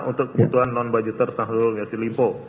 untuk kebutuhan non budgeter sahrul yasin limpo